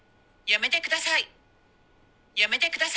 やめてください。